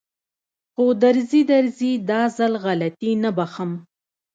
خو درځي درځي دا ځل غلطي نه بښم.